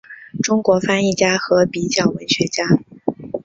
中国翻译家和比较文学家。